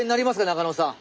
中野さん。